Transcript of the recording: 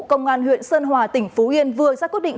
công an huyện sơn hòa tỉnh phú yên vừa ra quyết định